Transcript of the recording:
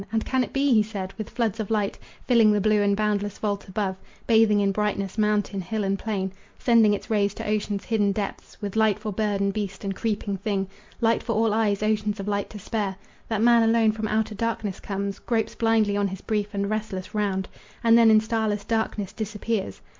"And can it be," he said, "with floods of light Filling the blue and boundless vault above, Bathing in brightness mountain, hill and plain, Sending its rays to ocean's hidden depths, With light for bird and beast and creeping thing, Light for all eyes, oceans of light to spare, That man alone from outer darkness comes, Gropes blindly on his brief and restless round, And then in starless darkness disappears?